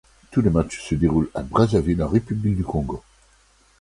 Tous les matchs se déroulent à Brazzaville, en République du Congo.